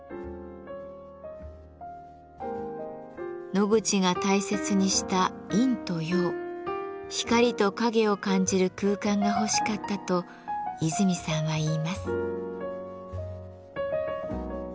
ノグチが大切にした「陰と陽」光と影を感じる空間が欲しかったと和泉さんはいいます。